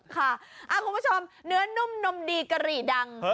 คุณผู้ชมเนื้อนุ่มนมดีกะหรี่ดัง